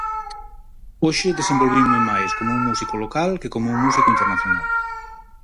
Hoxe desenvolvinme máis como un músico local que como un músico internacional.